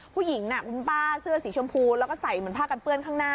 ผู้หญิงน่ะกลุ่นป้าเสื้อสีชมพูแล้วก็ใส่เหมือนผ้ากันเผื้อง